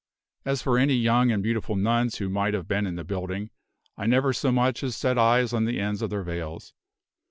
As for any young and beautiful nuns who might have been in the building, I never so much as set eyes on the ends of their veils.